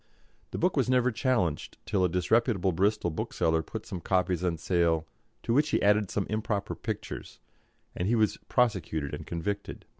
The book was never challenged till a disreputable Bristol bookseller put some copies on sale to which he added some improper pictures, and he was prosecuted and convicted.